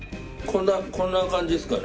こんな感じですかね？